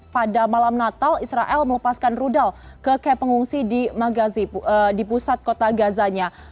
pada malam natal israel melepaskan rudal ke camp pengungsi di pusat kota gazanya